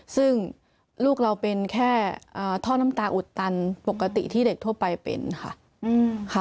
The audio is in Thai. ซึ่งลูกเราเป็นแค่ท่อน้ำตาอุดตันปกติที่เด็กทั่วไปเป็นค่ะ